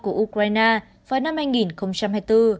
của ukraine vào năm hai nghìn hai mươi bốn